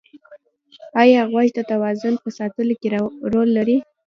ایا غوږ د توازن په ساتلو کې رول لري؟